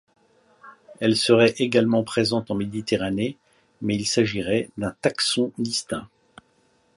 Elle serait également présente en Méditerranée, mais il s'agirait d'un taxon distinct.